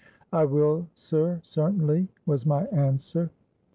—'I will, sir, certainly,' was my answer.